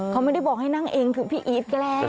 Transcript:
เขาไม่ได้บอกให้นั่งเองถึงพี่อีทแกล้ง